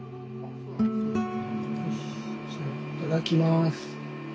いただきます。